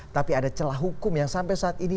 tapi ada celah hukum yang sampai saat ini